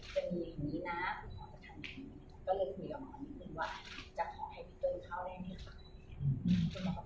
จนตี๕แล้วก็ไม่กล้าหลับแบบนั่น